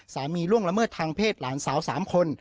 ล่วงละเมิดทางเพศหลานสาว๓คน